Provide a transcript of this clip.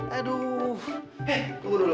hei tunggu dulu